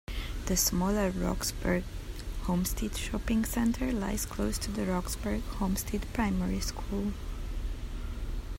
The smaller Roxburgh Homestead Shopping Centre lies close to the Roxburgh Homestead Primary School.